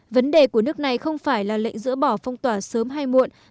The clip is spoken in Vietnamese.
vấn đề của nước này không phải là lệnh dỡ bỏ phong tỏa sớm hay muộn